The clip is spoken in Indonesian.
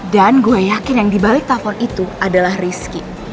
dan gue yakin yang dibalik telfon itu adalah rizky